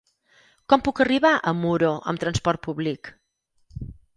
Com puc arribar a Muro amb transport públic?